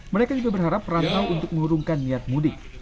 mereka juga berharap perantau untuk mengurungkan niat mudik